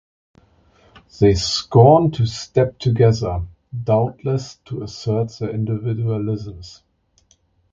They scorn to step together, doubtless to assert their individualisms.